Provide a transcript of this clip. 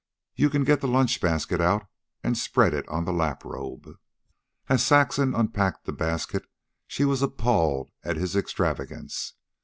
You can get the lunch basket out an' spread it on the lap robe." As Saxon unpacked the basket she was appalled at his extravagance.